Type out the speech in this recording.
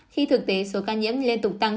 khi thực tế số ca nhiễm liên tục tăng